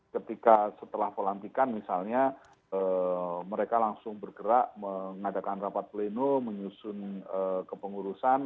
ketika setelah pelantikan misalnya mereka langsung bergerak mengadakan rapat pleno menyusun kepengurusan